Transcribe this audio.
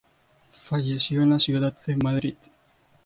Falleció en la ciudad de Madrid.